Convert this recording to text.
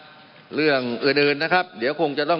มันมีมาต่อเนื่องมีเหตุการณ์ที่ไม่เคยเกิดขึ้น